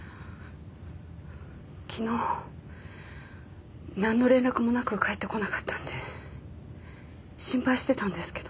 昨日なんの連絡もなく帰ってこなかったんで心配してたんですけど。